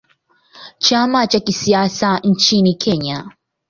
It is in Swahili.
Chama cha kisiasa nchini Kenya.